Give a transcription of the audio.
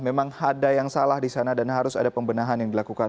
memang ada yang salah di sana dan harus ada pembenahan yang dilakukan